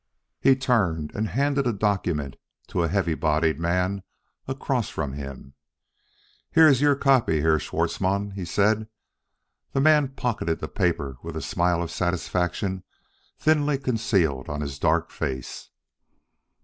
He turned and handed a document to a heavy bodied man across from him. "Here is your copy, Herr Schwartzmann," he said. The man pocketed the paper with a smile of satisfaction thinly concealed on his dark face.